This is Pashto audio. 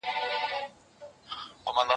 پرون او نن مي تر اته زره زياتي جملې..